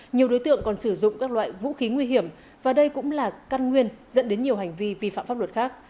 nhiều đối tượng còn sử dụng các loại vũ khí nguy hiểm và đây cũng là căn nguyên dẫn đến nhiều hành vi vi phạm pháp luật khác